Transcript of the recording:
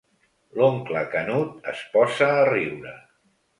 L'oncle Canut es posa a riure.